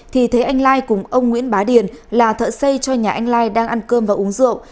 thì thế anh lai cùng ông nguyễn bá điền là thợ xây cho nhà anh lai đang ăn cơm và uống rượu